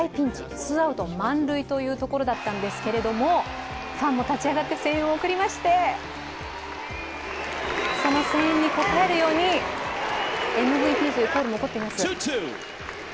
ツーアウト満塁というところだったんですけれども、ファンも立ち上がりまして声援を送りましてその声援に応えるようにＭＶＰというコールも起こっています。